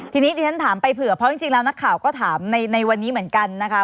ทีนี้ดิฉันถามไปเผื่อเพราะจริงแล้วนักข่าวก็ถามในวันนี้เหมือนกันนะคะ